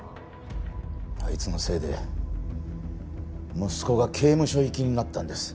あいつのせいで息子が刑務所行きになったんです。